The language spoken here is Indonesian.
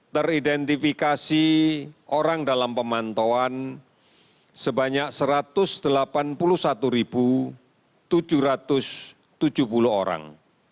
teridentifikasi orang dalam pemantauan sebanyak satu ratus delapan puluh satu tujuh ratus tujuh puluh orang